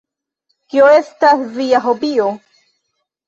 Kio estas via hobio?